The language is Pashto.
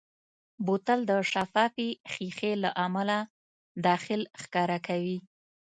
بوتل د شفافې ښیښې له امله داخل ښکاره کوي.